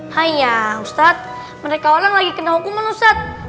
haiya ustadz mereka orang lagi kena hukuman ustadz